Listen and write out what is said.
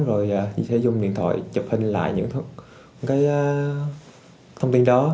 rồi sẽ dùng điện thoại chụp hình lại những thông tin đó